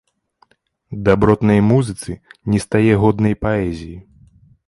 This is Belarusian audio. Дабротнай музыцы не стае годнай паэзіі.